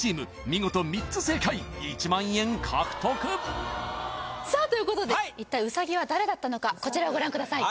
見事３つ正解１万円獲得さあということで一体ウサギは誰だったのかこちらをご覧ください